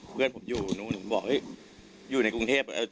เพื่อนผมอยู่นู้นถึงบอกอยู่ในกรุงเทพ